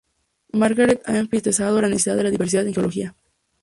Margaret ha enfatizado la necesidad de la diversidad en geología.